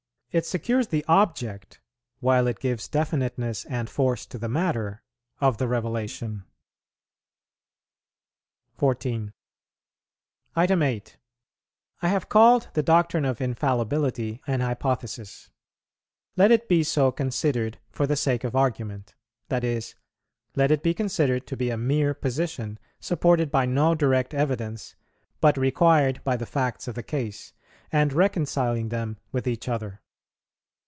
It secures the object, while it gives definiteness and force to the matter, of the Revelation. 14. 8. I have called the doctrine of Infallibility an hypothesis: let it be so considered for the sake of argument, that is, let it be considered to be a mere position, supported by no direct evidence, but required by the facts of the case, and reconciling them with each other.